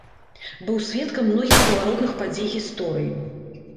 Быў сведкам многіх паваротных падзей гісторыі.